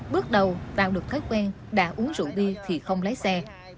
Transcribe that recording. bước đầu tạo được thói quen đã uống rượu bia thì không lái xe